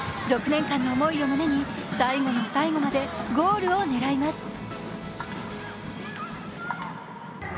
６年間の思いを胸に、最後の最後までゴールを狙います。